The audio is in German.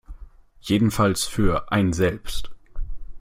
Jedenfalls für einen selbst.